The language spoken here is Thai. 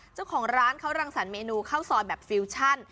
เจ้าของร้านเขารังสรรคเมนูข้าวซอยแบบฟิวชั่น